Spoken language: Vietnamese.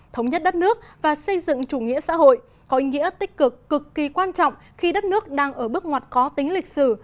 thống nhất đất nước và xây dựng chủ nghĩa xã hội có ý nghĩa tích cực cực kỳ quan trọng khi đất nước đang ở bước ngoặt có tính lịch sử